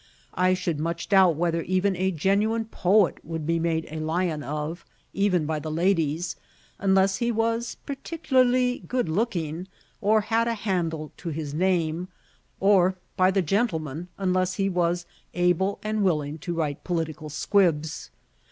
I should much doubt whether even a genuine poet would be made a lion of, even by the ladies, unless he was particularly good looking or had a handle to his name: or by the gentlemen, unless he was able and willing to write political squibs.